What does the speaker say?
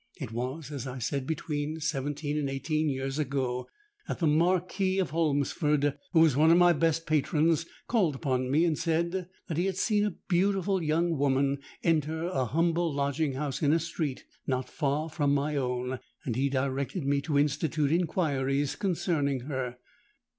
It was, as I said, between seventeen and eighteen years ago, that the Marquis of Holmesford, who was one of my best patrons, called upon me and said that he had seen a beautiful young woman enter a humble lodging house in a street not far from my own; and he directed me to institute inquiries concerning her.